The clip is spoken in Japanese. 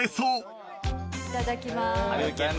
いただきます。